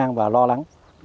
chúng tôi rất là lo lắng